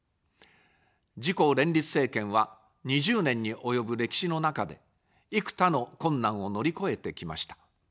自公連立政権は、２０年に及ぶ歴史の中で、幾多の困難を乗り越えてきました。